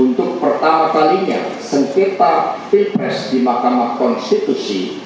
untuk pertama kalinya sengketa pilpres di mahkamah konstitusi